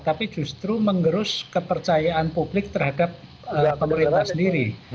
tapi justru mengerus kepercayaan publik terhadap pemerintah sendiri